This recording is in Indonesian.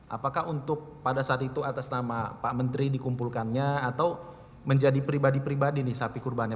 apakah untuk pada saat itu atas nama pak menteri dikumpulkannya atau menjadi pribadi pribadi nih sapi kurbannya